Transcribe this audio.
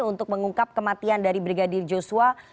untuk mengungkap kematian dari brigadir joshua